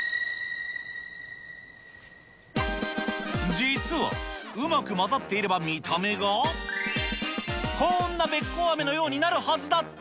実は、うまく混ざっていれば見た目が、こんなべっ甲あめのようになるはずだった。